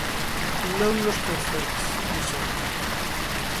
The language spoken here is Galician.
"Non nos canceles", dixeron.